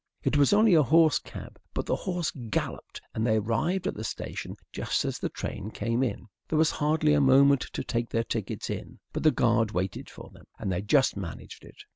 It was only a horse cab, but the horse galloped, and they arrived at the station just as the train came in. There was hardly a moment to take their tickets in. But the guard waited for them, and they just managed it.